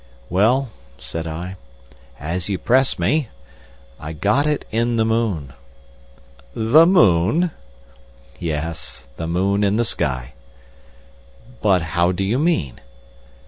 "Well," said I, "as you press me—I got it in the moon." "The moon?" "Yes, the moon in the sky." "But how do you mean?"